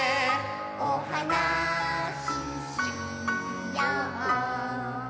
「おはなししよう」